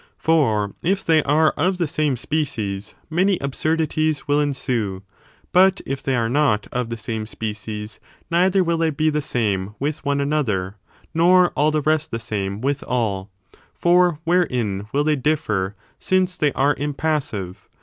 for if they are of the same species, many absurdities will ensue ; but if they are not of the same spe cies, neither will they be the same with one another, nor all the rest the same with all : for wherein will they differ, since they are impassive?